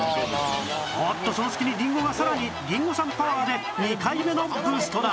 おっとその隙にりんごがさらにリンゴ酸パワーで２回目のブーストだ！